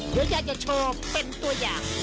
เดี๋ยวยายจะโชว์เป็นตัวอย่าง